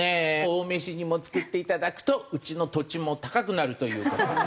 青梅市にも作っていただくとうちの土地も高くなるという事で。